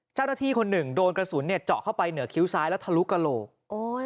เจ้าหน้าที่คนหนึ่งโดนกระสุนเนี่ยเจาะเข้าไปเหนือคิ้วซ้ายแล้วทะลุกระโหลกโอ้ย